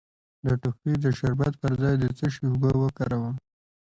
د ټوخي د شربت پر ځای د څه شي اوبه وکاروم؟